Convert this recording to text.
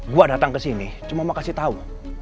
gue datang kesini cuma mau kasih tau